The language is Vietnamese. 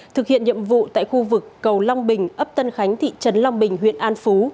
thực hiện nhiệm vụ tại khu vực cầu long bình ấp tân khánh thị trấn long bình huyện an phú